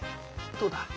どうだ？